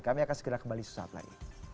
kami akan segera kembali suatu saat lagi